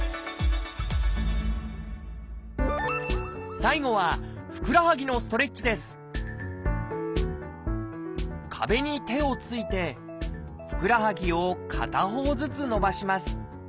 最後は壁に手をついてふくらはぎを片方ずつ伸ばします。